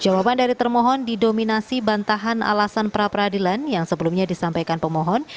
jawaban dari termohon didominasi bantahan alasan pra peradilan yang sebelumnya disampaikan pemohon